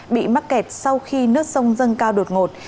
bị mắc kẹt sau khi nước sông dâng cao đột ngột